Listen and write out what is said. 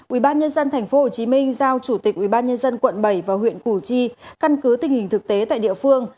ubnd tp hcm giao chủ tịch ubnd quận bảy và huyện củ chi căn cứ tình hình thực tế tại địa phương